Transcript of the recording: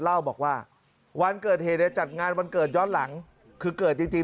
เล่าบอกว่าวันเกิดเหตุเนี่ยจัดงานวันเกิดย้อนหลังคือเกิดจริง